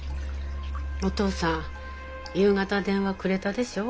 おとうさん夕方電話くれたでしょ？